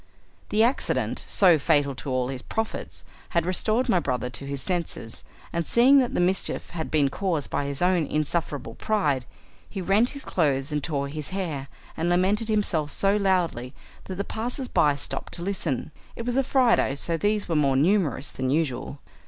The accident, so fatal to all his profits, had restored my brother to his senses, and seeing that the mischief had been caused by his own insufferable pride, he rent his clothes and tore his hair, and lamented himself so loudly that the passers by stopped to listen. It was a Friday, so these were more numerous than usual.